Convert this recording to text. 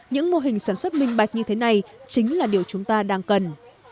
những mô hình sản xuất minh bạch như thế này chính là điều chúng ta đang cần